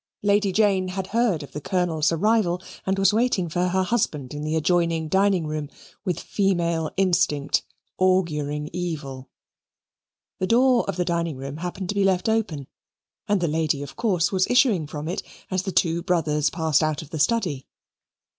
Lady Jane had heard of the Colonel's arrival, and was waiting for her husband in the adjoining dining room, with female instinct, auguring evil. The door of the dining room happened to be left open, and the lady of course was issuing from it as the two brothers passed out of the study.